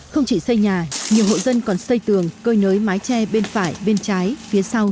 không chỉ xây nhà nhiều hộ dân còn xây tường cơi nới mái tre bên phải bên trái phía sau